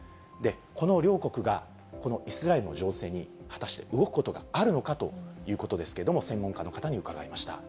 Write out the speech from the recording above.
この両国がイスラエルの情勢に、果たして動くことがあるのかということですけれども、専門家の方に伺いました。